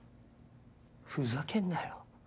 ふざけんなよ。